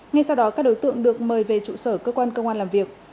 ngay sau đó các đối tượng được mời về trụ sở cơ quan công an làm việc